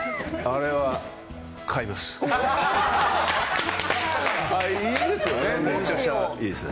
あれは買いです。